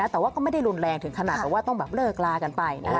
แต่ว่าก็ไม่ได้รุนแรงถึงขนาดแบบว่าต้องแบบเลิกลากันไป